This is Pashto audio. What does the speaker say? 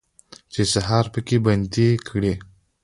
چې سهار پکې بندي کړي